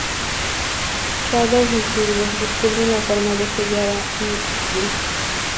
Shadow y Silver descubren la forma de sellar a Iblis.